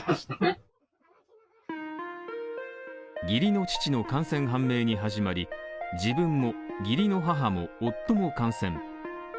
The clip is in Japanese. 義理の父の感染判明に始まり、自分も義理の母も夫も感染。